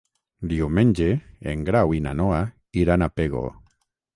Diumenge en Grau i na Noa iran a Pego.